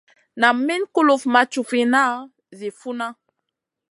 Nam Min kulufn ma cufina zi funa.